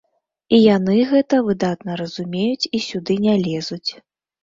І яны гэта выдатна разумеюць і сюды не лезуць.